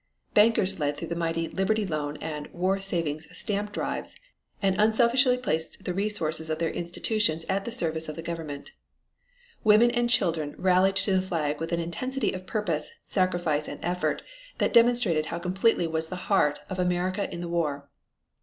Bankers led the mighty Liberty Loan and War Savings Stamp drives and unselfishly placed the resources of their institutions at the service of the government. Women and children rallied to the flag with an intensity of purpose, sacrifice and effort that demonstrated how completely was the heart of America in the war.